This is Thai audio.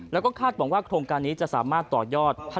แล้วก็คาดหวังว่าโครงการนี้จะสามารถต่อยอด